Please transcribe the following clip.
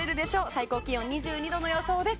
最高気温２２度の予想です。